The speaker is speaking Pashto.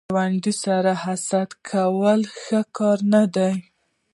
ګاونډي سره حسد کول ښه کار نه دی